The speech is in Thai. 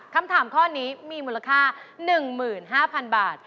คำถามข้อนี้มีมูลค่า๑๕๐๐๐บาท